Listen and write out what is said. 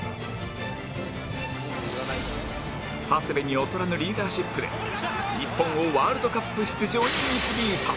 長谷部に劣らぬリーダーシップで日本をワールドカップ出場に導いた